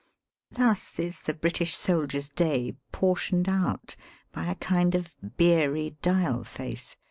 Thus is the British soldier's day portioned out by a kind of beery dial face.